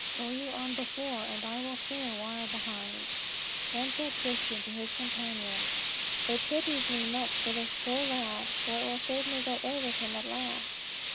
Go you on before and I will stay a while behind." Then said Christian to his companion: "It pities me much for this poor lad, for it will certainly go ill with him at last."